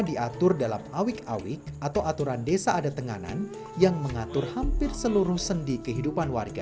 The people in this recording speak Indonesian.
diatur dalam awik awik atau aturan desa adat tenganan yang mengatur hampir seluruh sendi kehidupan warga